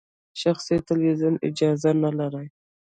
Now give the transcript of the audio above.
شخصي تلویزیونونه اجازه نلري.